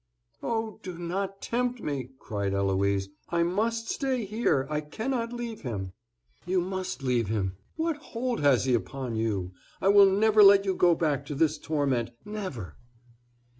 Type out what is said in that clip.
"Oh, do not tempt me!" cried Eloise. "I must stay here. I cannot leave him." "You must leave him. What hold has he upon you? I will never let you go back to this torment,—never.